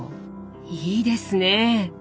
いいですね！